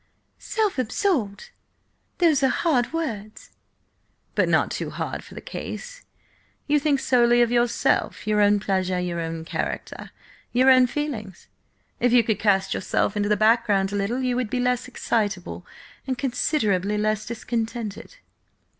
"Self absorbed! Those are hard words." "But not too hard for the case. You think solely of yourself, your own pleasure, your own character, your own feelings. If you could cast yourself into the background a little, you would be less excitable and considerably less discontented."